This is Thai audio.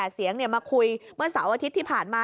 เสียงมาคุยเมื่อเสาร์อาทิตย์ที่ผ่านมา